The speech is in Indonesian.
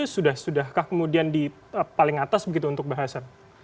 sudah sudahkah kemudian di paling atas begitu untuk bahasan